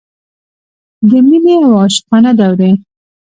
د مینې اوه عاشقانه دورې.